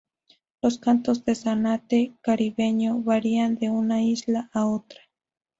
Los cantos del zanate caribeño varían de una isla a otra.